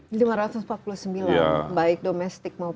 baik domestik mau pemerintah masyarakat apa